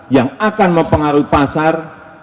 yang akan mempengaruhi pasar